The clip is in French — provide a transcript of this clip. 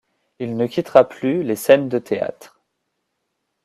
Il ne quittera plus les scènes de théâtre.